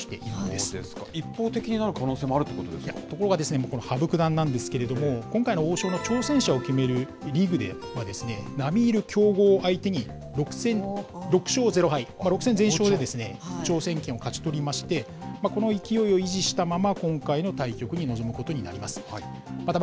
一方的になる可能性もあるとところがですね、羽生九段なんですけれども、今回の王将戦の挑戦者を決めるリーグでは、なみいる強豪を相手に６戦６勝０敗、６戦全勝で挑戦権を勝ち取りまして、この勢いを維持したまま